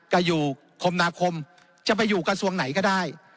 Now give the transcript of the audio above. จะอยู่คมนาคมจะไปอยู่กระทรวงไหนก็ได้